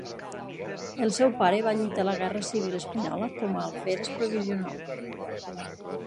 El seu pare va lluitar a la guerra civil espanyola com a alferes provisional.